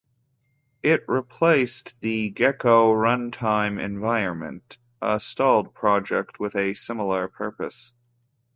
It replaced the "Gecko Runtime Environment", a stalled project with a similar purpose.